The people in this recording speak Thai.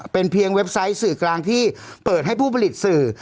เป็นเพียงเว็บไซต์สื่อกลางที่เปิดให้ผู้ผลิตสื่อ